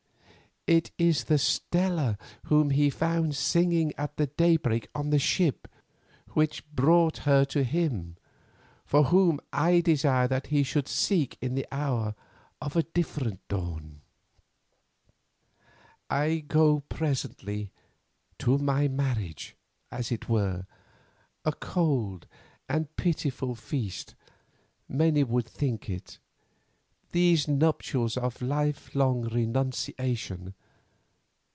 It is the Stella whom he found singing at the daybreak on the ship which brought her to him, for whom I desire that he should seek in the hour of a different dawn. "I go presently, to my marriage, as it were; a cold and pitiful feast, many would think it—these nuptials of life long renunciation.